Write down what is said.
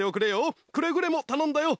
くれぐれもたのんだよ！